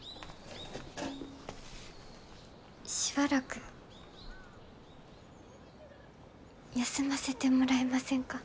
しばらく休ませてもらえませんか？